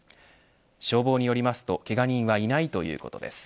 消防によりますとけが人はいないということです。